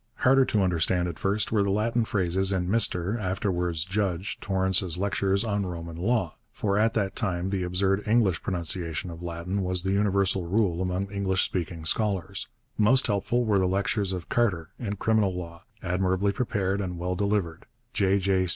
Harder to understand at first were the Latin phrases in Mr, afterwards Judge, Torrance's lectures on Roman law, for at that time the absurd English pronunciation of Latin was the universal rule among English speaking scholars. Most helpful were the lectures of Carter in criminal law, admirably prepared and well delivered. J. J.